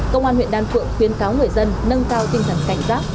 công an huyện đan phượng khuyến cáo người dân nâng cao tinh thần cảnh giác